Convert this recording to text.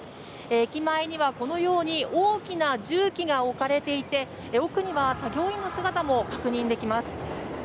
駅前にはこのように大きな重機が置かれていて奥には作業員の姿も確認できます。